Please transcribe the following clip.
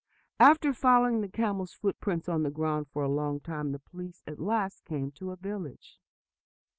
After following the camel's footprints on the ground for a long time, the police at last came to a village.